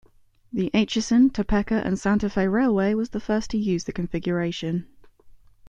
The Atchison, Topeka and Santa Fe Railway was the first to use the configuration.